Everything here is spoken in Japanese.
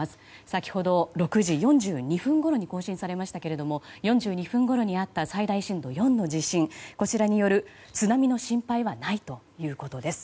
先ほど６時４２分ごろに更新されましたけども４２分ごろにあった最大震度４の地震こちらによる津波の心配はないということです。